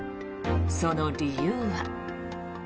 その理由は。